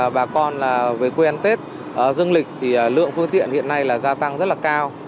bà con về quê ăn tết dương lịch thì lượng phương tiện hiện nay là gia tăng rất là cao